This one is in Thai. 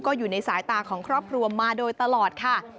ก็อยู่ในสายตาของครอบครัวมาโดยตลอดค่ะ